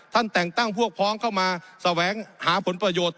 แต่งตั้งพวกพ้องเข้ามาแสวงหาผลประโยชน์